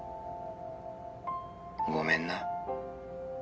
☎ごめんな